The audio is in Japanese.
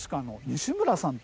西村さん